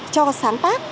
cho sáng tác